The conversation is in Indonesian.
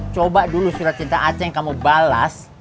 coba dulu surat cinta aceh yang kamu balas